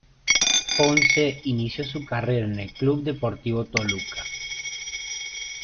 Ponce inició su carrera en el Club Deportivo Toluca.